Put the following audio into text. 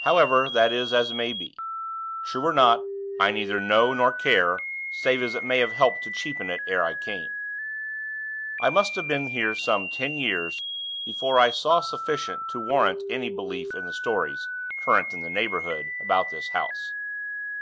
However, that is as may be. True or not, I neither know nor care, save as it may have helped to cheapen it, ere I came. I must have been here some ten years before I saw sufficient to warrant any belief in the stories, current in the neighborhood, about this house.